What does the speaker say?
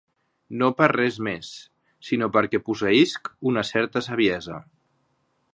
No per res més, sinó perquè posseïsc una certa saviesa.